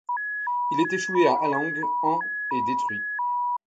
Il est échoué à Alang en et détruit.